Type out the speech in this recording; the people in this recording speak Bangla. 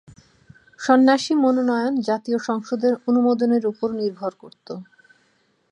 সন্ন্যাসী মনোনয়ন জাতীয় সংসদের অনুমোদনের ওপর নির্ভর করত।